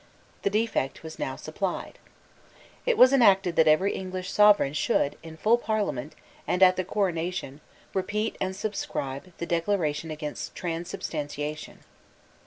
The defect was now supplied. It was enacted that every English sovereign should, in full Parliament, and at the coronation, repeat and subscribe the Declaration against Transubstantiation.